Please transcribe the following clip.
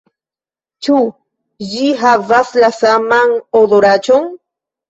- Ĉu ĝi havas la saman odoraĉon?